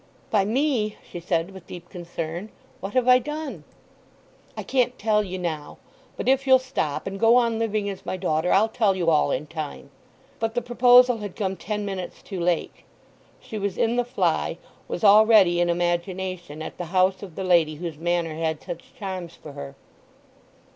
"By me?" she said, with deep concern. "What have I done?" "I can't tell you now. But if you'll stop, and go on living as my daughter, I'll tell you all in time." But the proposal had come ten minutes too late. She was in the fly—was already, in imagination, at the house of the lady whose manner had such charms for her.